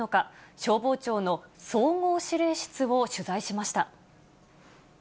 消防庁の総合指令室を取材しました。